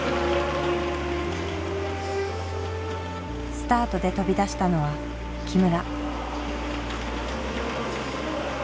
スタートで飛び出したのは木村。